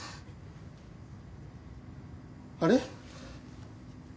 あれ？